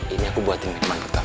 ini aku buatin nikmat untuk kamu